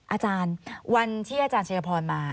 อาจารย์วันที่อาจารย์ชัยพรมา